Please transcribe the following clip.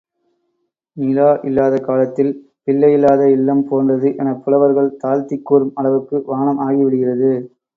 நிலா இல்லாத காலத்தில், பிள்ளையில்லாத இல்லம் போன்றது எனப் புலவர்கள் தாழ்த்திக் கூறும் அளவுக்கு வானம் ஆகிவிடுகிறது.